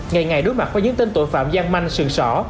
ngày ngày đối mặt có những tên tội phạm gian manh sườn sỏ